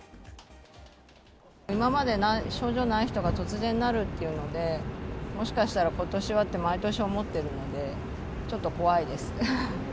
今まで症状ない人が突然なるっていうので、もしかしたらことしはって、毎年思ってるので、ちょっと怖いです。